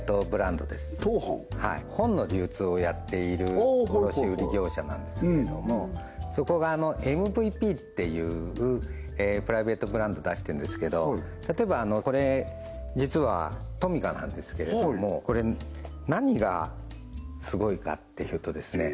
はい本の流通をやっている卸売り業者なんですけれどもそこがＭＶＰっていうプライベートブランド出してんですけど例えばこれ実はトミカなんですけれどもこれ何がスゴいかっていうとですね